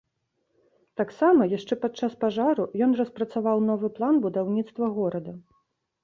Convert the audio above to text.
Таксама, яшчэ падчас пажару, ён распрацаваў новы план будаўніцтва горада.